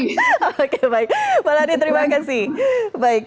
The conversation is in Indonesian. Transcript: oke baik mbak lani terima kasih